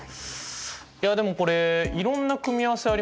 いやでもこれいろんな組み合わせありますよね。